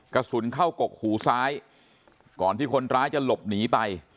กระสุนเข้ากกหูซ้ายก่อนที่คนร้ายจะหลบหนีไป